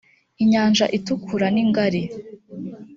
i nyanja itukura ningari.